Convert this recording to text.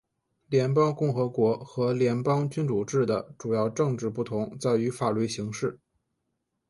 联邦共和国和联邦君主制的主要政治不同在于法律形式。